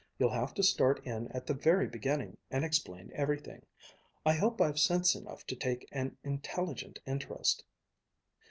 You'll have to start in at the very beginning, and explain everything. I hope I've sense enough to take an intelligent interest."